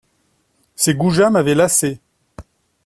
Ces goujats m'avaient lassé.